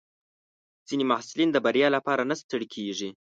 ځینې محصلین د بریا لپاره نه ستړي کېږي.